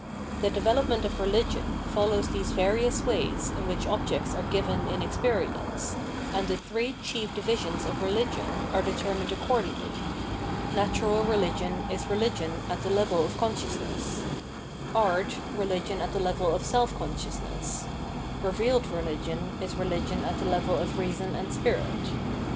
The development of Religion follows these various ways in which objects are given in experience, and the three chief divisions of Religion are determined accordingly : Xatural Religion is religion at the level of Consciousness; Art, Religion at the level of Self conscious ness ; Revealed Religion is Religion at the level of Reardon and Spirit.